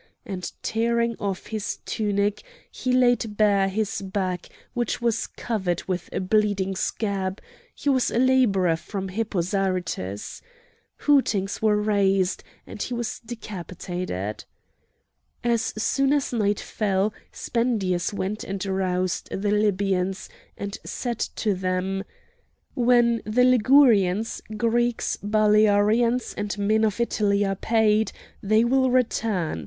and tearing off his tunic he laid bare is back which was covered with a bleeding scab; he was a labourer from Hippo Zarytus. Hootings were raised, and he was decapitated. As soon as night fell, Spendius went and roused the Libyans, and said to them: "When the Ligurians, Greeks, Balearians, and men of Italy are paid, they will return.